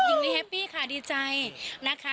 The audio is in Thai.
อย่างนี้แฮปปี้ค่ะดีใจนะคะ